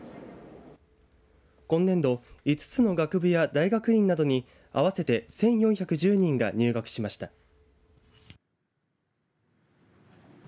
今年度、５つの学部や大学院などに合わせて１４１０人が入学しました。